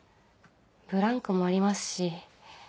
ブランクもありますし。